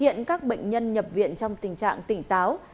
hiện các bệnh nhân nhập viện trong tình trạng tỉnh táo